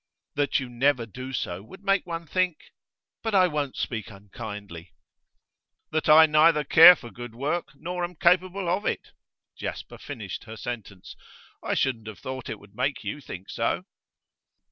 'That you never do so would make one think but I won't speak unkindly.' 'That I neither care for good work nor am capable of it,' Jasper finished her sentence. 'I shouldn't have thought it would make you think so.